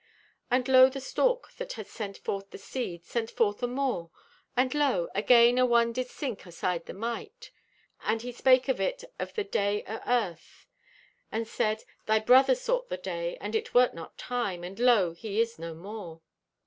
"And lo, the Stalk that had sent forth the Seed, sent forth amore, and lo, again a one did sink aside the Mite. And he spake to it of the Day o' Earth and said: 'Thy brother sought the Day, and it wert not time, and lo, he is no more.